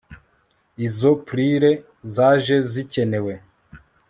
Izo pliers zaje zikenewe